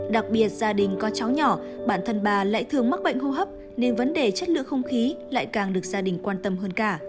đặc biệt gia đình có cháu nhỏ bản thân bà lại thường mắc bệnh hô hấp nên vấn đề chất lượng không khí lại càng được gia đình quan tâm hơn cả